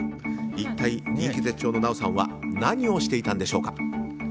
一体、人気絶頂の奈緒さんは何をしていたんでしょうか。